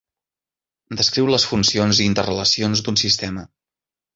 Descriu les funcions i interrelacions d'un sistema.